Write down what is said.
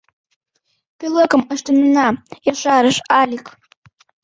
Пӧлекым ыштынена, — ешарыш Алик.